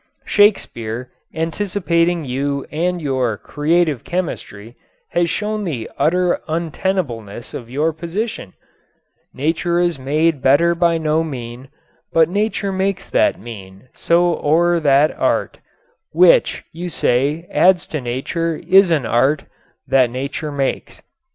Shakespeare, anticipating you and your "Creative Chemistry," has shown the utter untenableness of your position: Nature is made better by no mean, But nature makes that mean: so o'er that art, Which, you say, adds to nature, is an art That nature makes.